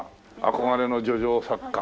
憧れの抒情作家。